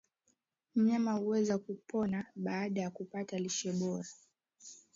Mnyama huweza kupona baada ya kupata lishe bora